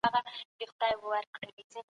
ځوانان باید تجربه ترلاسه کړي.